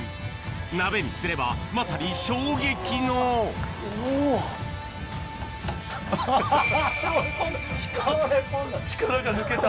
鍋にすればまさに衝撃の力が抜けた。